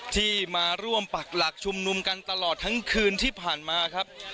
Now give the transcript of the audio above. ที่มาร่วมปักหลักชุมนุมกันตลอดทั้งคืนที่ผ่านมาครับ